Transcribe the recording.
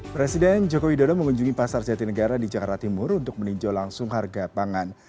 presiden jokowi dodo mengunjungi pasar jatinegara di jakarta timur untuk meninjau langsung harga pangan